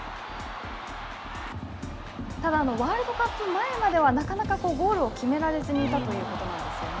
ただ、ワールドカップ前まではなかなかゴールを決められずにいたということなんですよね。